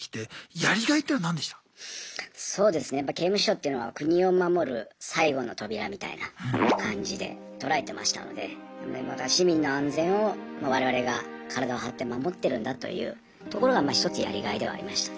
やっぱ刑務所っていうのは国を守る最後の扉みたいな感じで捉えてましたので市民の安全を我々が体を張って守ってるんだというところが一つやりがいではありましたね。